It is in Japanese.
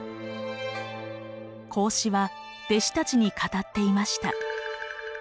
孔子は弟子たちに語っていました。